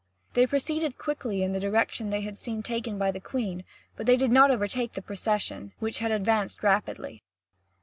They proceeded quickly in the direction they had seen taken by the Queen, but they did not overtake the procession, which had advanced rapidly.